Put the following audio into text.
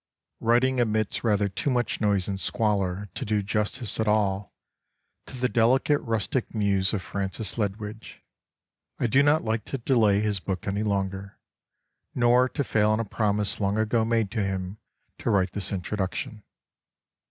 WRITING amidst rather too much noise and squalor to do justice at all to the delicate rustic muse of Francis Ledwidge, I do not like to delay his book any longer, nor to fail in a promise long ago made to him to write this introduction.